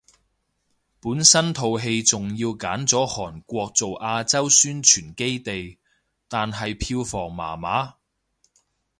本身套戲仲要揀咗韓國做亞洲宣傳基地，但係票房麻麻